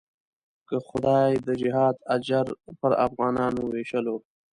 که خدای د جهاد اجر پر افغانانو وېشلو.